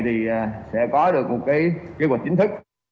thì sẽ có được một kế hoạch chính thức